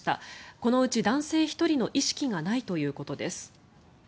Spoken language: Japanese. このうち男性１人の意識がないということです。